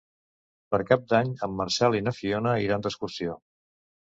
Per Cap d'Any en Marcel i na Fiona iran d'excursió.